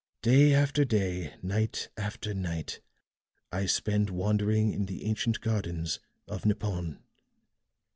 Day after day, night after night, I spend wandering in the ancient gardens of Nippon.